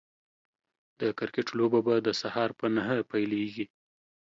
د کرکټ لوبه به د سهار په نهه پيليږي